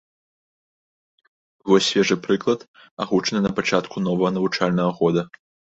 Вось свежы прыклад, агучаны на пачатку новага навучальнага года.